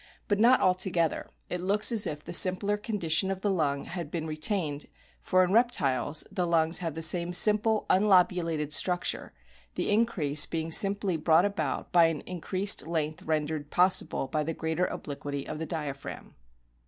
But not altogether ; it looks as if the simpler condition of the lung had been retained, for in reptiles the lungs have the same simple unlobulated structure, the increase being simply brought about by an increased length rendered possible by the greater obliquity of the diaphragm.